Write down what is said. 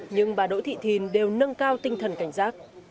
nhưng bà đỗ thị thìn đều nâng cao tinh thần cảnh giác